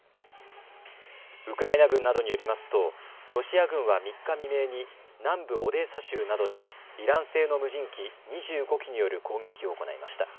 ウクライナ軍などによりますとロシア軍は３日未明に南部オデーサ州などにイラン製の無人機２５機による攻撃を行いました。